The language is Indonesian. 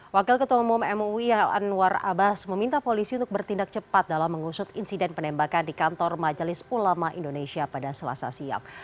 wakil ketua umum mui anwar abbas meminta polisi untuk bertindak cepat dalam mengusut insiden penembakan di kantor majelis ulama indonesia pada selasa siang